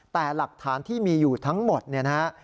แต่หลักฐานที่มีอยู่ทั้งหมดเนี่ยนะฮะ